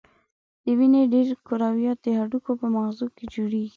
د وینې ډېری کرویات د هډوکو په مغزو کې جوړیږي.